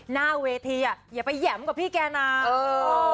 หน้าเวทีอ่ะอย่าไปแหม่มกับพี่แกนะเออ